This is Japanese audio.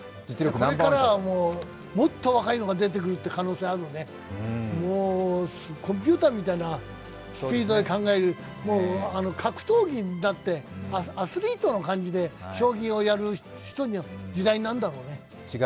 これからはもっと若いのが出てくる可能性あるよね、もうコンピュ−ターみたいなスピードで考える、格闘技だってアスリートの感じで将棋をやる人の時代になるんだろうね。